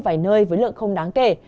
ở vài nơi với lượng không đáng kể